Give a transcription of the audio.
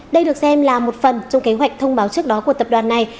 đây được xem là một phần trong kế hoạch thông báo trước đó của tập đoàn này